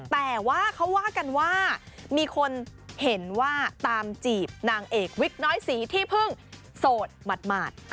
แต่ว่าเขาว่ากันว่ามีคนเห็นว่าตามจีบนางเอกวิกน้อยสีที่เพิ่งโสดหมาด